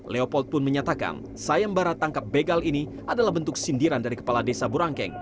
leopold pun menyatakan sayembara tangkap begal ini adalah bentuk sindiran dari kepala desa burangkeng